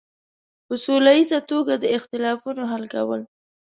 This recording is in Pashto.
په سوله ییزه توګه د اختلافونو حل کول.